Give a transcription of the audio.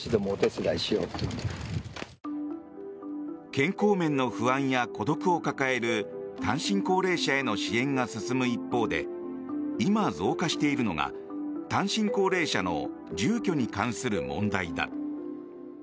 健康面の不安や孤独を抱える単身高齢者への支援が進む一方で今、増加しているのが単身高齢者の住居に関する問題だ。